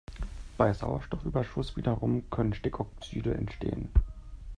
Bei Sauerstoffüberschuss wiederum können Stickoxide entstehen.